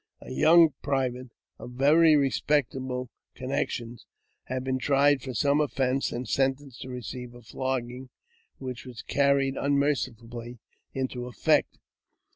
A young private, of very respectable connections, had been tried for some offence, and sentenced to receive a flogging, which was carried unmer cifully into effect.